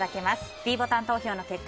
ｄボタン投票の結果